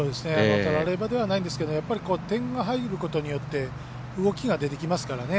たらればではないんですけど、やはり点が入ることによって動きが出てきますからね。